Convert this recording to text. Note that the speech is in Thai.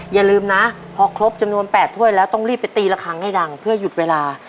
อย่าลืมนะพอครบจำนวน๘ถ้วยแล้วต้องรีบไปตีละครั้งให้ดังเพื่อหยุดเวลา